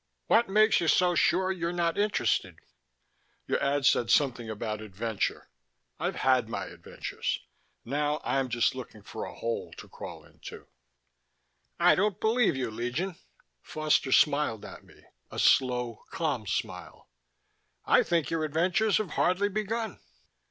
"What makes you so sure you're not interested?" "Your ad said something about adventure. I've had my adventures. Now I'm just looking for a hole to crawl into." "I don't believe you, Legion." Foster smiled at me, a slow, calm smile. "I think your adventures have hardly begun."